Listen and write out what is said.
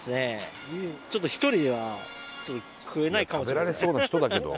食べられそうな人だけど。